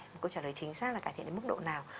một câu trả lời chính xác là cải thiện cái mức độ nào